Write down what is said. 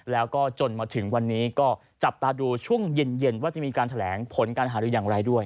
แล้วก็จนมาถึงวันนี้ก็จับตาดูช่วงเย็นว่าจะมีการแถลงผลการหารืออย่างไรด้วย